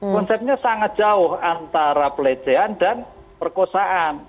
konsepnya sangat jauh antara pelecehan dan perkosaan